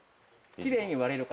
きれいに割れるか。